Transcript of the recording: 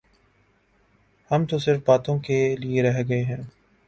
ہم تو صرف باتوں کیلئے رہ گئے ہیں۔